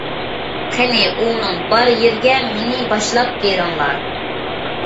قېنى، ئۇنىڭ بار يېرىگە مېنى باشلاپ بېرىڭلار!